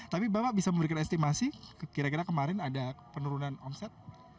tapi bapak bisa memberikan estimasi kira kira kemarin ada penurunan omset